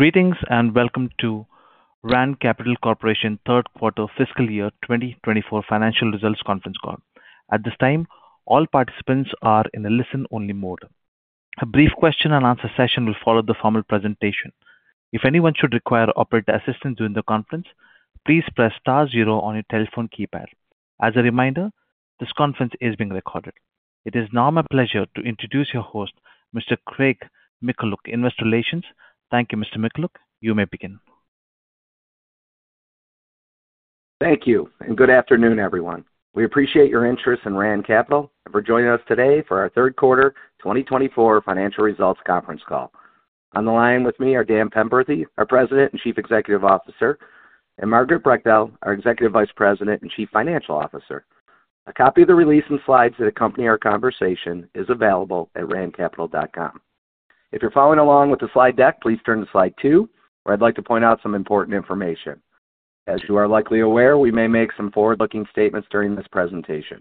Greetings and welcome to Rand Capital Corporation Third Quarter Fiscal Year 2024 Financial Results Conference Call. At this time, all participants are in a listen-only mode. A brief question and answer session will follow the formal presentation. If anyone should require operator assistance during the conference, please press star zero on your telephone keypad. As a reminder, this conference is being recorded. It is now my pleasure to introduce your host, Mr. Craig Mychajluk, Investor Relations. Thank you, Mr. Mychajluk. You may begin. Thank you, and good afternoon, everyone. We appreciate your interest in Rand Capital and for joining us today for our Third Quarter 2024 Financial Results Conference Call. On the line with me are Dan Penberthy, our President and Chief Executive Officer, and Margaret Brechtel, our Executive Vice President and Chief Financial Officer. A copy of the release and slides that accompany our conversation is available at randcapital.com. If you're following along with the slide deck, please turn to slide two, where I'd like to point out some important information. As you are likely aware, we may make some forward-looking statements during this presentation.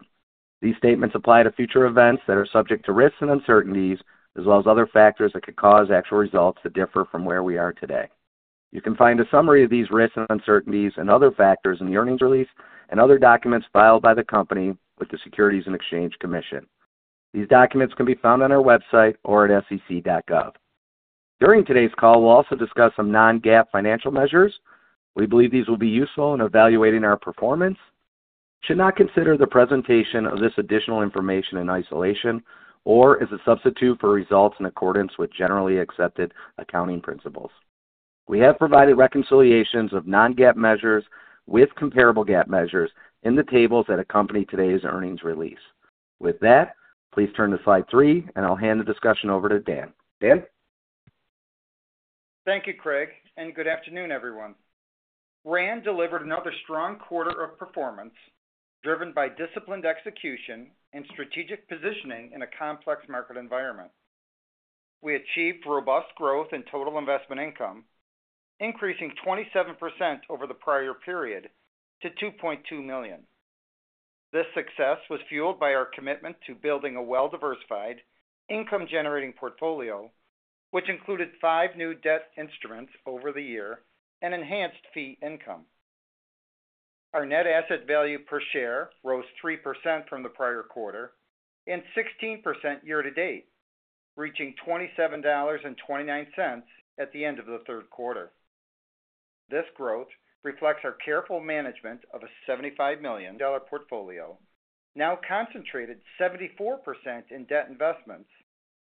These statements apply to future events that are subject to risks and uncertainties, as well as other factors that could cause actual results that differ from where we are today. You can find a summary of these risks and uncertainties and other factors in the earnings release and other documents filed by the company with the Securities and Exchange Commission. These documents can be found on our website or at sec.gov. During today's call, we'll also discuss some non-GAAP financial measures. We believe these will be useful in evaluating our performance. Should not consider the presentation of this additional information in isolation or as a substitute for results in accordance with generally accepted accounting principles. We have provided reconciliations of non-GAAP measures with comparable GAAP measures in the tables that accompany today's earnings release. With that, please turn to slide three, and I'll hand the discussion over to Dan. Dan? Thank you, Craig, and good afternoon, everyone. Rand delivered another strong quarter of performance driven by disciplined execution and strategic positioning in a complex market environment. We achieved robust growth in total investment income, increasing 27% over the prior period to $2.2 million. This success was fueled by our commitment to building a well-diversified, income-generating portfolio, which included five new debt instruments over the year and enhanced fee income. Our net asset value per share rose 3% from the prior quarter and 16% year to date, reaching $27.29 at the end of the third quarter. This growth reflects our careful management of a $75 million portfolio, now concentrated 74% in debt investments,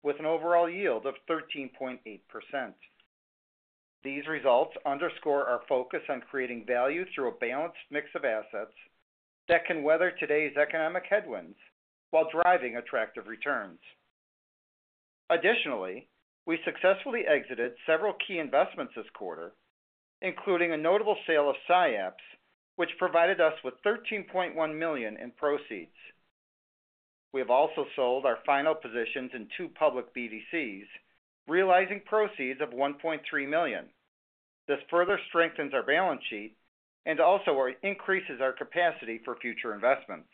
with an overall yield of 13.8%. These results underscore our focus on creating value through a balanced mix of assets that can weather today's economic headwinds while driving attractive returns. Additionally, we successfully exited several key investments this quarter, including a notable sale of SciAps, which provided us with $13.1 million in proceeds. We have also sold our final positions in two public BDCs, realizing proceeds of $1.3 million. This further strengthens our balance sheet and also increases our capacity for future investments.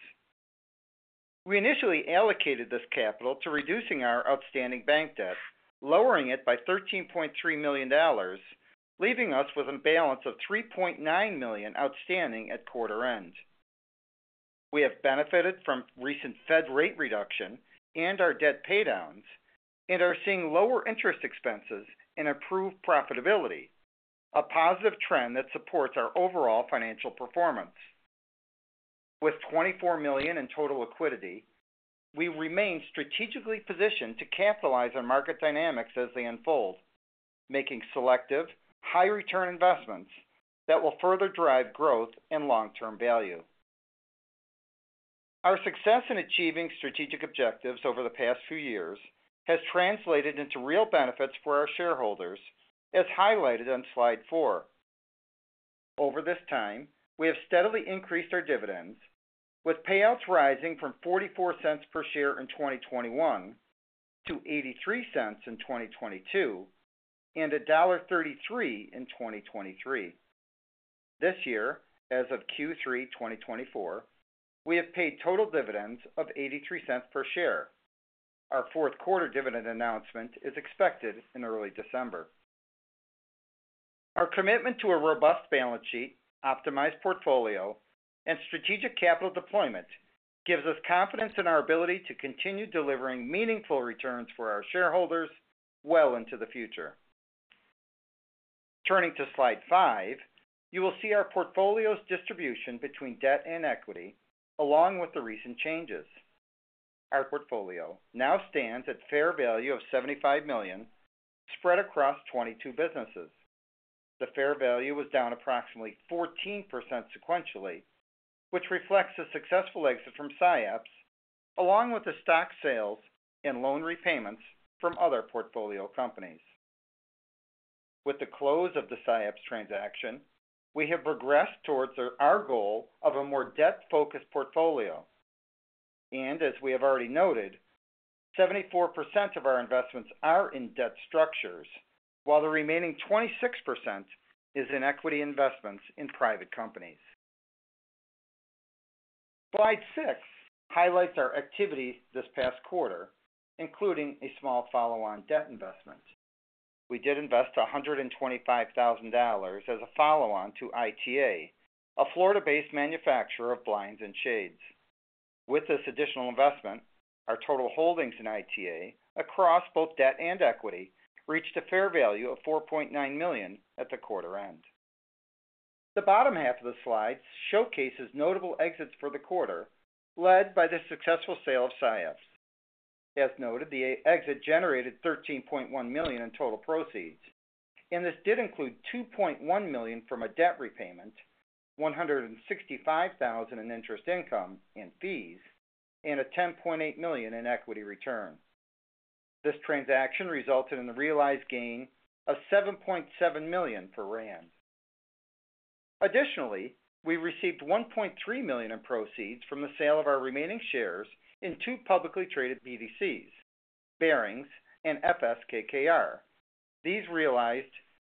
We initially allocated this capital to reducing our outstanding bank debt, lowering it by $13.3 million, leaving us with a balance of $3.9 million outstanding at quarter end. We have benefited from recent Fed rate reduction and our debt paydowns and are seeing lower interest expenses and improved profitability, a positive trend that supports our overall financial performance. With $24 million in total liquidity, we remain strategically positioned to capitalize on market dynamics as they unfold, making selective, high-return investments that will further drive growth and long-term value. Our success in achieving strategic objectives over the past few years has translated into real benefits for our shareholders, as highlighted on slide four. Over this time, we have steadily increased our dividends, with payouts rising from $0.44 per share in 2021 to $0.83 in 2022 and $1.33 in 2023. This year, as of Q3 2024, we have paid total dividends of $0.83 per share. Our fourth quarter dividend announcement is expected in early December. Our commitment to a robust balance sheet, optimized portfolio, and strategic capital deployment gives us confidence in our ability to continue delivering meaningful returns for our shareholders well into the future. Turning to slide five, you will see our portfolio's distribution between debt and equity, along with the recent changes. Our portfolio now stands at a fair value of $75 million spread across 22 businesses. The fair value was down approximately 14% sequentially, which reflects a successful exit from SciAps, along with the stock sales and loan repayments from other portfolio companies. With the close of the SciAps transaction, we have progressed towards our goal of a more debt-focused portfolio. As we have already noted, 74% of our investments are in debt structures, while the remaining 26% is in equity investments in private companies. Slide six highlights our activity this past quarter, including a small follow-on debt investment. We did invest $125,000 as a follow-on to ITA, a Florida-based manufacturer of blinds and shades. With this additional investment, our total holdings in ITA across both debt and equity reached a fair value of $4.9 million at the quarter end. The bottom half of the slides showcases notable exits for the quarter, led by the successful sale of SciAps. As noted, the exit generated $13.1 million in total proceeds, and this did include $2.1 million from a debt repayment, $165,000 in interest income and fees, and a $10.8 million in equity return. This transaction resulted in a realized gain of $7.7 million for Rand. Additionally, we received $1.3 million in proceeds from the sale of our remaining shares in two publicly traded BDCs, Barings and FS KKR. These realized,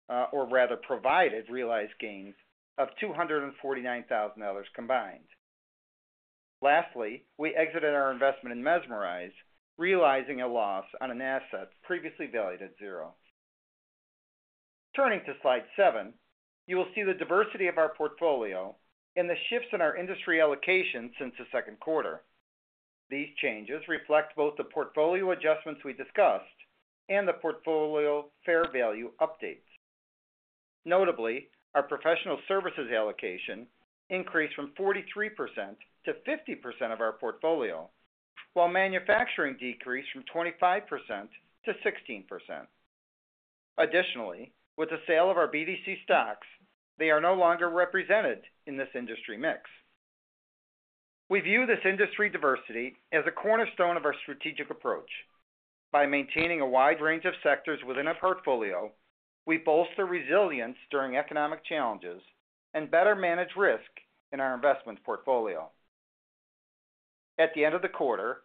or rather provided, realized gains of $249,000 combined. Lastly, we exited our investment in Mezmeriz, realizing a loss on an asset previously valued at zero. Turning to slide seven, you will see the diversity of our portfolio and the shifts in our industry allocation since the second quarter. These changes reflect both the portfolio adjustments we discussed and the portfolio fair value updates. Notably, our professional services allocation increased from 43% to 50% of our portfolio, while manufacturing decreased from 25% to 16%. Additionally, with the sale of our BDC stocks, they are no longer represented in this industry mix. We view this industry diversity as a cornerstone of our strategic approach. By maintaining a wide range of sectors within our portfolio, we bolster resilience during economic challenges and better manage risk in our investment portfolio. At the end of the quarter,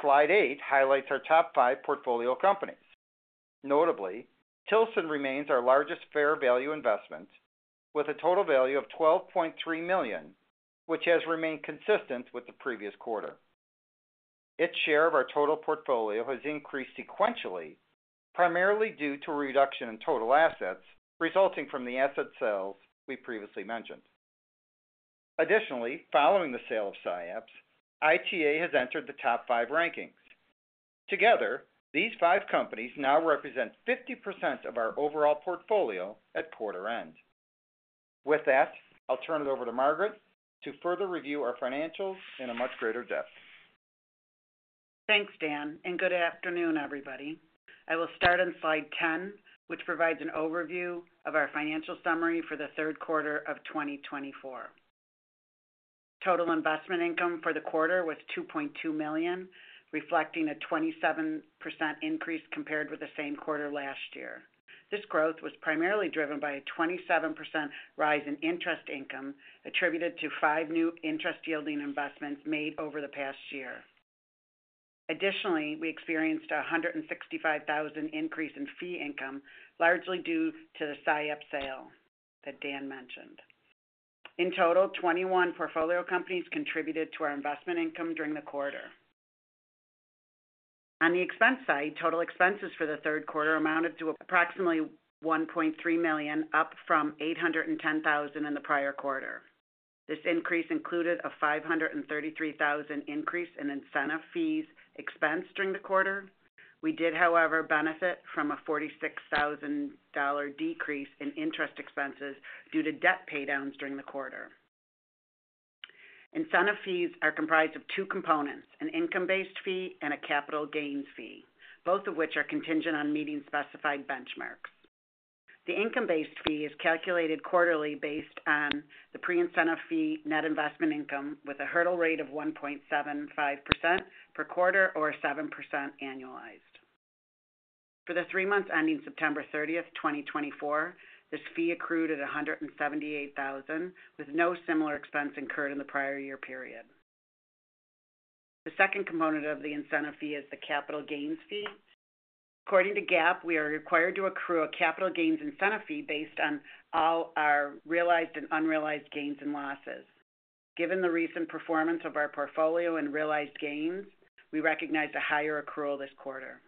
slide eight highlights our top five portfolio companies. Notably, Tilson remains our largest fair value investment, with a total value of $12.3 million, which has remained consistent with the previous quarter. Its share of our total portfolio has increased sequentially, primarily due to a reduction in total assets resulting from the asset sales we previously mentioned. Additionally, following the sale of SciAps, ITA has entered the top five rankings. Together, these five companies now represent 50% of our overall portfolio at quarter end. With that, I'll turn it over to Margaret to further review our financials in a much greater depth. Thanks, Dan, and good afternoon, everybody. I will start on slide ten, which provides an overview of our financial summary for the third quarter of 2024. Total investment income for the quarter was $2.2 million, reflecting a 27% increase compared with the same quarter last year. This growth was primarily driven by a 27% rise in interest income attributed to five new interest-yielding investments made over the past year. Additionally, we experienced a $165,000 increase in fee income, largely due to the SciAps sale that Dan mentioned. In total, 21 portfolio companies contributed to our investment income during the quarter. On the expense side, total expenses for the third quarter amounted to approximately $1.3 million, up from $810,000 in the prior quarter. This increase included a $533,000 increase in incentive fees expense during the quarter. We did, however, benefit from a $46,000 decrease in interest expenses due to debt paydowns during the quarter. Incentive fees are comprised of two components: an income-based fee and a capital gains fee, both of which are contingent on meeting specified benchmarks. The income-based fee is calculated quarterly based on the pre-incentive fee net investment income, with a hurdle rate of 1.75% per quarter or 7% annualized. For the three months ending September 30th, 2024, this fee accrued at $178,000, with no similar expense incurred in the prior year period. The second component of the incentive fee is the capital gains fee. According to GAAP, we are required to accrue a capital gains incentive fee based on all our realized and unrealized gains and losses. Given the recent performance of our portfolio and realized gains, we recognize a higher accrual this quarter.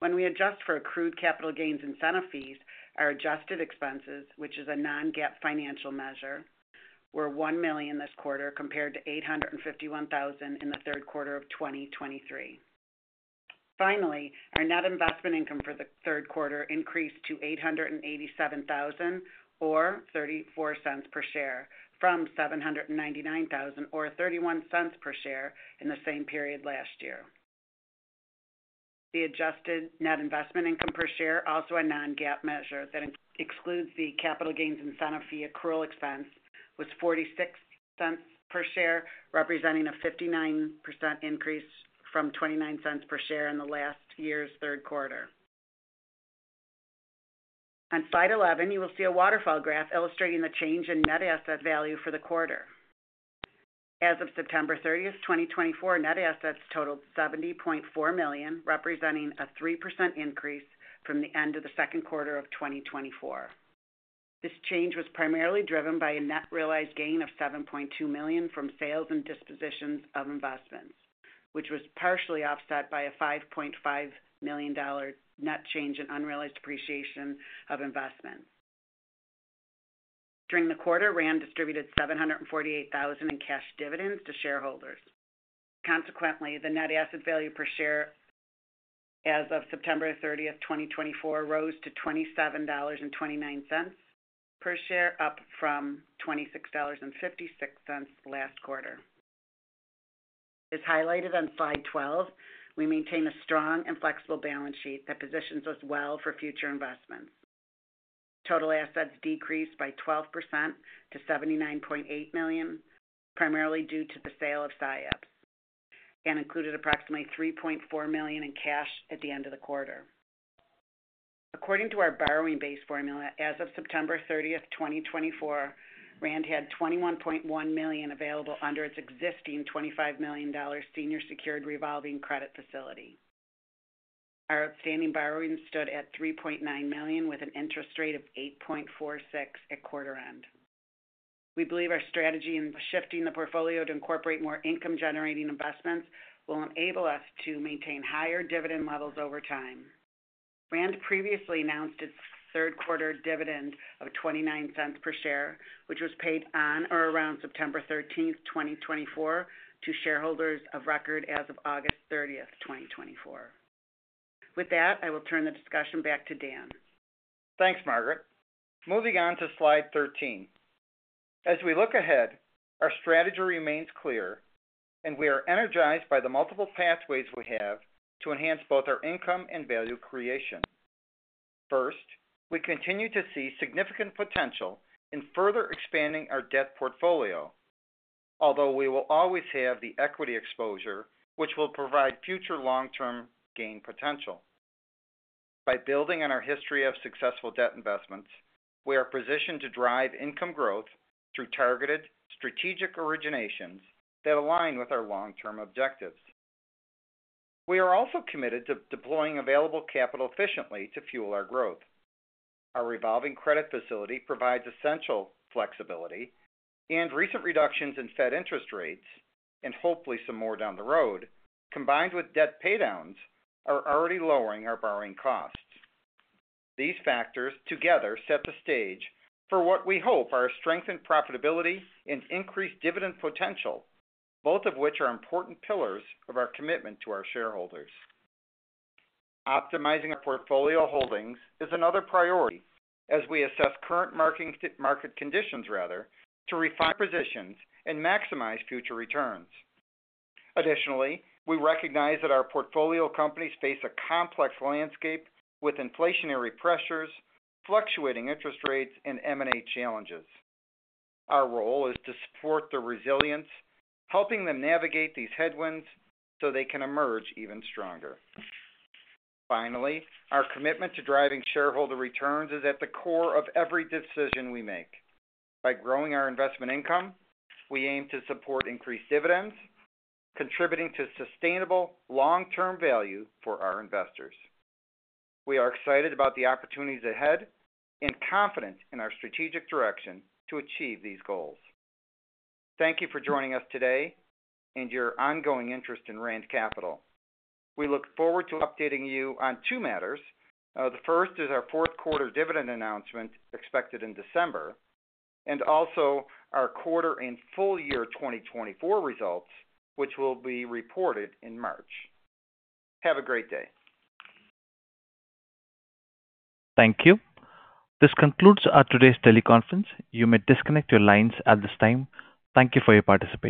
When we adjust for accrued capital gains incentive fees, our adjusted expenses, which is a non-GAAP financial measure, were $1 million this quarter compared to $851,000 in the third quarter of 2023. Finally, our net investment income for the third quarter increased to $887,000 or $0.34 per share from $799,000 or $0.31 per share in the same period last year. The adjusted net investment income per share, also a non-GAAP measure that excludes the capital gains incentive fee accrual expense, was $0.46 per share, representing a 59% increase from $0.29 per share in the last year's third quarter. On slide 11, you will see a waterfall graph illustrating the change in net asset value for the quarter. As of September 30th, 2024, net assets totaled $70.4 million, representing a 3% increase from the end of the second quarter of 2024. This change was primarily driven by a net realized gain of $7.2 million from sales and dispositions of investments, which was partially offset by a $5.5 million net change in unrealized appreciation of investments. During the quarter, Rand distributed $748,000 in cash dividends to shareholders. Consequently, the net asset value per share as of September 30th, 2024, rose to $27.29 per share, up from $26.56 last quarter. As highlighted on slide 12, we maintain a strong and flexible balance sheet that positions us well for future investments. Total assets decreased by 12% to $79.8 million, primarily due to the sale of SciAps, and included approximately $3.4 million in cash at the end of the quarter. According to our borrowing base formula, as of September 30th, 2024, Rand had $21.1 million available under its existing $25 million senior secured revolving credit facility. Our outstanding borrowing stood at $3.9 million, with an interest rate of 8.46% at quarter end. We believe our strategy in shifting the portfolio to incorporate more income-generating investments will enable us to maintain higher dividend levels over time. Rand previously announced its third quarter dividend of $0.29 per share, which was paid on or around September 13th, 2024, to shareholders of record as of August 30th, 2024. With that, I will turn the discussion back to Dan. Thanks, Margaret. Moving on to slide 13. As we look ahead, our strategy remains clear, and we are energized by the multiple pathways we have to enhance both our income and value creation. First, we continue to see significant potential in further expanding our debt portfolio, although we will always have the equity exposure, which will provide future long-term gain potential. By building on our history of successful debt investments, we are positioned to drive income growth through targeted, strategic originations that align with our long-term objectives. We are also committed to deploying available capital efficiently to fuel our growth. Our revolving credit facility provides essential flexibility, and recent reductions in Fed interest rates, and hopefully some more down the road, combined with debt paydowns, are already lowering our borrowing costs. These factors together set the stage for what we hope are strengthened profitability and increased dividend potential, both of which are important pillars of our commitment to our shareholders. Optimizing our portfolio holdings is another priority as we assess current market conditions in order to refine positions and maximize future returns. Additionally, we recognize that our portfolio companies face a complex landscape with inflationary pressures, fluctuating interest rates, and M&A challenges. Our role is to support their resilience, helping them navigate these headwinds so they can emerge even stronger. Finally, our commitment to driving shareholder returns is at the core of every decision we make. By growing our investment income, we aim to support increased dividends, contributing to sustainable long-term value for our investors. We are excited about the opportunities ahead and confident in our strategic direction to achieve these goals. Thank you for joining us today and your ongoing interest in Rand Capital. We look forward to updating you on two matters. The first is our fourth quarter dividend announcement expected in December, and also our quarter and full year 2024 results, which will be reported in March. Have a great day. Thank you. This concludes today's teleconference. You may disconnect your lines at this time. Thank you for your participation.